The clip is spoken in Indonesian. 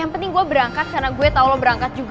yang penting gue berangkat karena gue tau lo berangkat juga